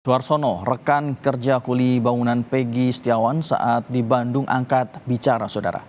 suarsono rekan kerja kuli bangunan peggy setiawan saat di bandung angkat bicara saudara